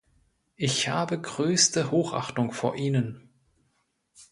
Ich habe größte Hochachtung vor Ihnen.